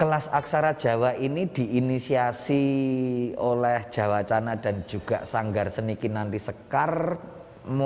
kelas aksara jawa ini di inisiasi oleh jawa cana dan juga sanggar seni kinanti sekar mulai awal tahun dua ribu delapan belas